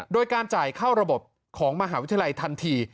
โดยการจ่ายเข้าระบบของมหาวิทยาลัยทันที